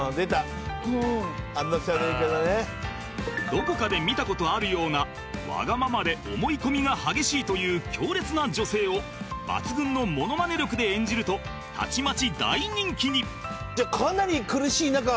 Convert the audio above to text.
どこかで見た事あるようなわがままで思い込みが激しいという強烈な女性を抜群のモノマネ力で演じるとたちまち大人気に